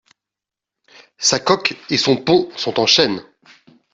Sa coque et son pont sont en chêne.